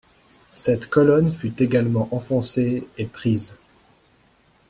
Cette colonne fut également enfoncée et prise.